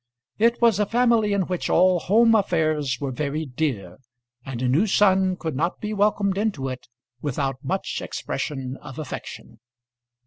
It was a family in which all home affairs were very dear, and a new son could not be welcomed into it without much expression of affection.